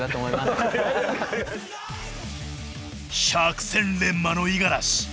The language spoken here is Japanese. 百戦錬磨の五十嵐！